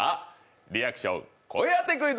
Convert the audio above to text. リアクション声当てクイズ！」